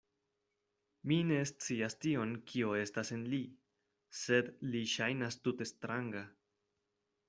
Mi ne scias tion, kio estas en li; sed li ŝajnas tute stranga.